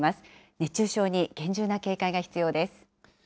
熱中症に厳重な警戒が必要です。